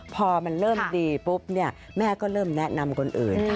พอมันเริ่มดีปุ๊บแม่ก็เริ่มแนะนำคนอื่น